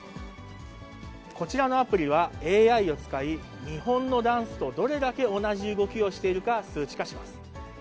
こちらのアプリはＡＩを使い、見本のダンスとどれだけ同じ動きをしているか数値化します。